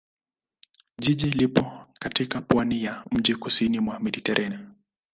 Jiji lipo katika pwani ya mjini kusini mwa Mediteranea.